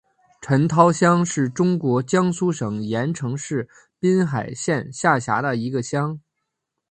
陈涛乡是中国江苏省盐城市滨海县下辖的一个乡。